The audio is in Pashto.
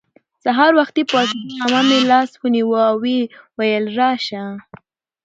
سهار وختي پاڅېدو. عمه مې لاس ونیو او ویې ویل:راشه